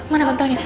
mana bantalnya sih